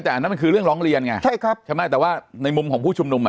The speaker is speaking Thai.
แต่อันนั้นมันคือเรื่องร้องเรียนไงใช่ครับใช่ไหมแต่ว่าในมุมของผู้ชุมนุมอ่ะ